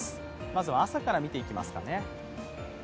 まずは朝から見ていきますかね。